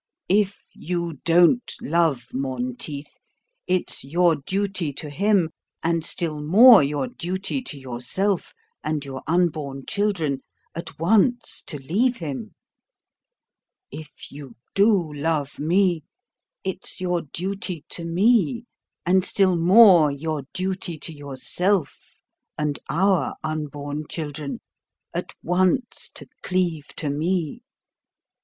If you don't love Monteith, it's your duty to him, and still more your duty to yourself and your unborn children, at once to leave him; if you DO love me, it's your duty to me, and still more your duty to yourself and our unborn children, at once to cleave to me.